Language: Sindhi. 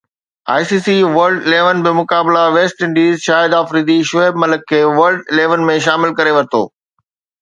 I C C World Eleven بمقابله ويسٽ انڊيز شاهد آفريدي شعيب ملڪ کي ورلڊ اليون ۾ شامل ڪري ورتو